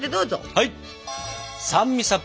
はい！